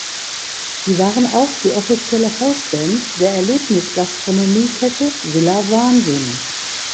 Sie waren auch die offizielle Hausband der Erlebnis-Gastronomiekette Villa Wahnsinn.